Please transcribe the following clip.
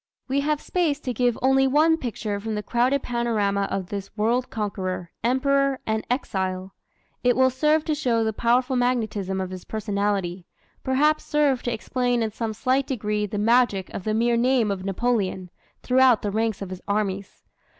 We have space to give only one picture from the crowded panorama of this world conqueror, emperor, and exile. It will serve to show the powerful magnetism of his personality perhaps serve to explain in some slight degree the magic of the mere name of Napoleon, throughout the ranks of his armies.